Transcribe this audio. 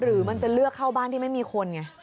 หรือมันจะเลือกเข้าบ้านที่ไม่มีคนไง